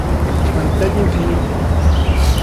Pantalla Infinity.